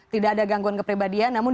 tidak ada gangguan kepribadian namun